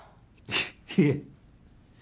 いえ。